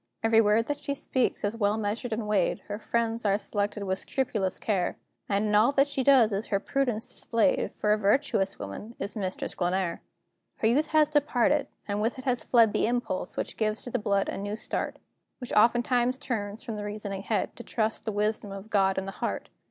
Every word that she speaks is well measured and weighed; Her friends are selected with scrupulous care; And in all that she does is her prudence displayed, For a virtuous woman is Mistress Glenare! Her youth has departed, and with it has fled The impulse which gives to the blood a new start, Which oftentimes turns from the reasoning head, To trust to the wisdom of God in the heart.